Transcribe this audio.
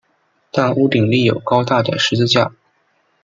但屋顶立有高大的十字架。